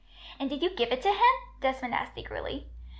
"And did you give it him?" Desmond asked eagerly.